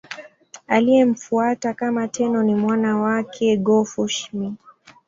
Aliyemfuata kama Tenno ni mwana wake Go-Fushimi.